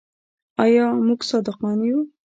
آیا موږ صادقان یو؟